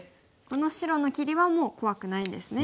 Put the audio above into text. この白の切りはもう怖くないですね。